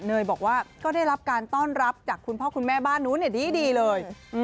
เนยบอกว่าก็ได้รับการต้อนรับจากคุณพ่อคุณแม่บ้านนู้นดีเลย